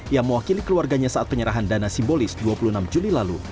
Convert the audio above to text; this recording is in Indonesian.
yang mewakili keluarganya saat penyerahan dana simbolis dua puluh enam juli lalu